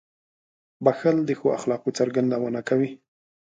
• بښل د ښو اخلاقو څرګندونه کوي.